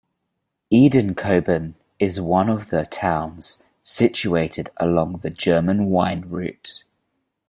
Edenkoben is one of the towns situated along the German Wine Route.